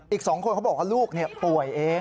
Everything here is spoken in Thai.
อีก๒คนเขาบอกว่าลูกป่วยเอง